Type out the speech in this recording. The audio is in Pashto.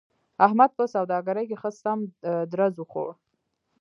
احمد په سوداګرۍ کې ښه سم درز و خوړ.